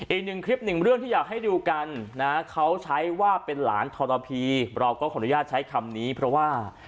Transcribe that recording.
อีกหนึ่งคลิปหนึ่งเรื่องที่อยากให้ดูกันนะเขาใช้ว่าเป็นหลานทรพีเราก็ขออนุญาตใช้คำนี้เพราะว่า